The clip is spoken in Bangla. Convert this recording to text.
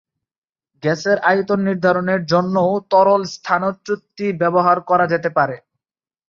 গ্যাসের আয়তন নির্ধারণের জন্যও তরল স্থানচ্যুতি ব্যবহার করা যেতে পারে।